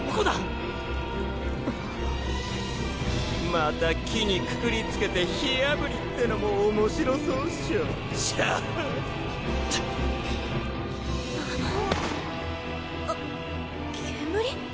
また木にくくり付けて火あぶりってのも面白そうっショシャハ！あっ煙？